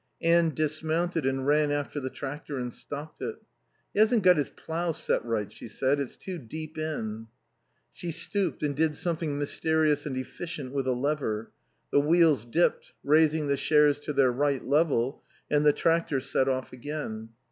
Anne dismounted and ran after the tractor and stopped it. "He hasn't got his plough set right," she said. "It's too deep in." She stooped, and did something mysterious and efficient with a lever; the wheels dipped, raising the shares to their right level, and the tractor set off again.